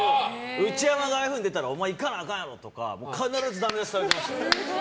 内山がああいうふうに出たらお前、行かなあかんやろとか必ずダメ出しされてましたね。